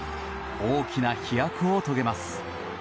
大きな飛躍を遂げます。